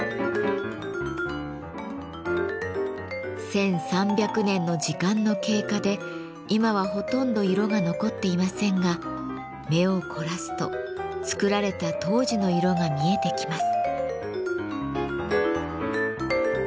１，３００年の時間の経過で今はほとんど色が残っていませんが目を凝らすと作られた当時の色が見えてきます。